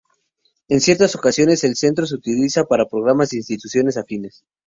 En ciertas ocasiones, el centro se utiliza para programas de instituciones afines.